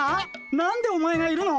何でお前がいるの？